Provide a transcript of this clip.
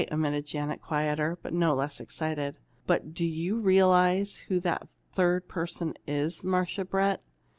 admitted Janet, quieter, but no less excited. "But do you realize who that third person is, Marcia Brett?